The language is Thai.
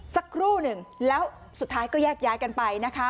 สักครู่หนึ่งแล้วสุดท้ายก็แยกย้ายกันไปนะคะ